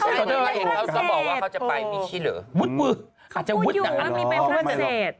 เขาก็บอกว่าเขาจะไปมิถิเอิร์ร